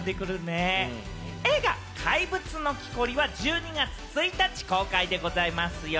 映画『怪物の木こり』は１２月１日公開でございますよ。